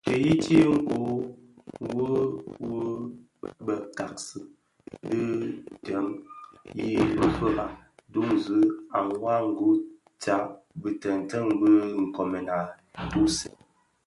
Ti yiyiti ikōō wua wu bë ghaksi bi duň yi lufira duňzi a mwadingusha Bitënten bi bë nkoomèn ntusèn.